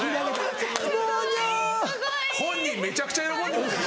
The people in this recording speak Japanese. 本人めちゃくちゃ喜んでますよ